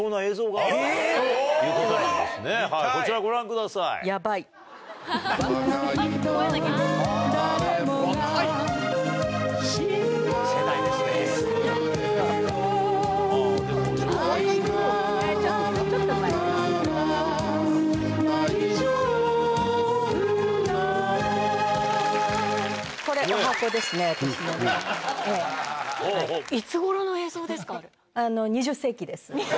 こちらご覧ください。いつ頃の映像ですか？